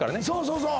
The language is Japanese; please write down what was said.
そうそう！